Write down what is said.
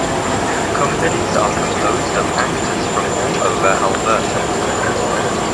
Companies are composed of actors from all over Alberta.